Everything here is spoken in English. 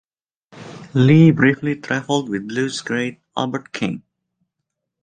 Lee briefly traveled with blues great Albert King.